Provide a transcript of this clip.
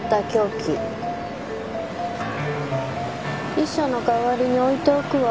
遺書の代わりに置いておくわ。